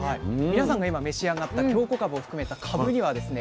皆さんが今召し上がった京こかぶを含めたかぶにはですね